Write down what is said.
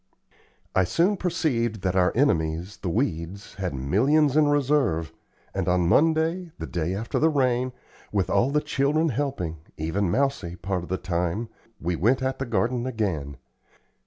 I soon perceived that our enemies, the weeds, had millions in reserve, and on Monday the day after the rain with all the children helping, even Mousie part of the time, we went at the garden again.